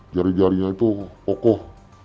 jari jarinya itu kokoh